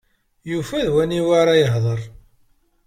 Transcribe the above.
Yufa d waniwa ara yehder.